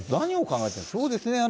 そうですね。